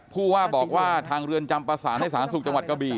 ผู้ว่าบอกว่าทางเรือนจำประสานให้สาธารณสุขจังหวัดกะบี่